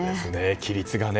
規律がね。